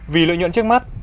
vì lợi ích của các đối tượng